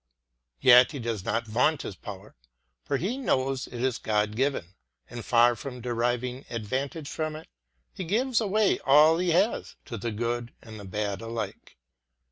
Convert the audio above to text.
Yet he does not vaunt his power; for he knows it is God given, and, far from deriving ad vantage from it, he gives away all he has, to the good and the bad alike.